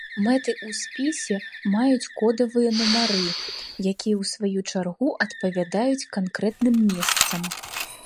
Мэты ў спісе маюць кодавыя нумары, якія ў сваю чаргу адпавядаюць канкрэтным месцам.